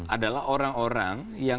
adalah orang orang yang